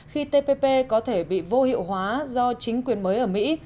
khi tpp có thể bị vô hiệu hóa do chính quyền mới ở mỹ